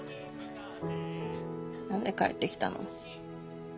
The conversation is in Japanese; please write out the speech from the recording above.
何で帰って来たの？